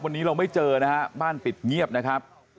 วันนี้เราไม่เจอนะฮะบ้านปิดเงียบนะครับ